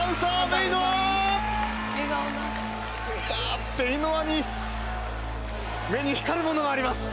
いやベイノアに目に光るものがあります。